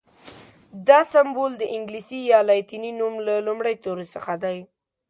دا سمبول د انګلیسي یا لاتیني نوم له لومړي توري څخه دی.